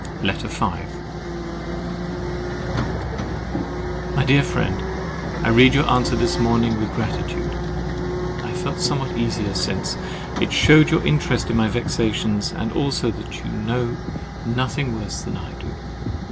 LETTER V My dear Friend, I read your answer this morning with gratitude. I have felt somewhat easier since. It shewed your interest in my vexations, and also that you know nothing worse than I do.